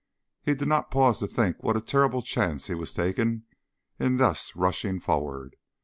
He did not pause to think what a terrible chance he was taking in thus rushing forward.